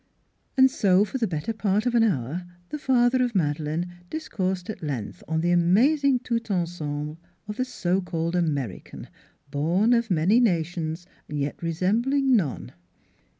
And so for the better part of an hour the father of Madeleine discoursed at length on the amazing tout ensemble of the so called American, born of many nations, yet resembling 282 NEIGHBORS 283 none.